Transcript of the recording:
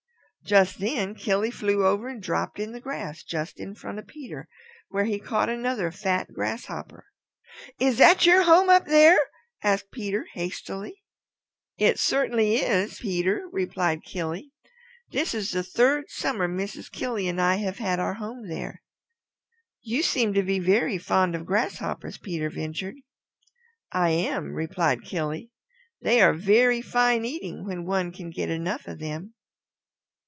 Just then Killy flew over and dropped in the grass just in front of Peter, where he caught another fat grasshopper. "Is that your home up there?" asked Peter hastily. "It certainly is, Peter," replied Killy. "This is the third summer Mrs. Killy and I have had our home there." "You seem to be very fond of grasshoppers," Peter ventured. "I am," replied Killy. "They are very fine eating when one can get enough of them."